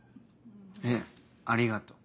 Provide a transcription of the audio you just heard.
えありがとう。